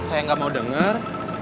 saya gak mau denger